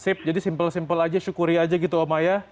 sip jadi simple simpel aja syukuri aja gitu oma ya